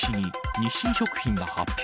日清食品が発表。